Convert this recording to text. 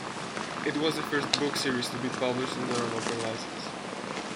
It was the first book series to be published under an open license.